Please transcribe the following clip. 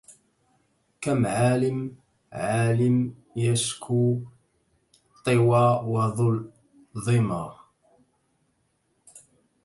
كم عالم عالم يشكو طوى وظما